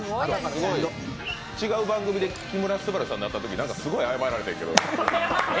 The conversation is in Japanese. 違う番組で木村昴さんに会ったときにすごい謝られたんやけど。